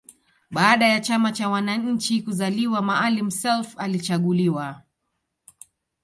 Baada ya chama cha wananchi kuzaliwa Maalim Self alichaguliwa